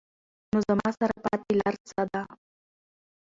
نو زما سره پاتې لار څۀ ده ؟